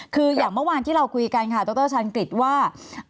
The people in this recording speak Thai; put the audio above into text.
คืออย่างเมื่อวานที่เราคุยกันค่ะดรชาญกฤษว่า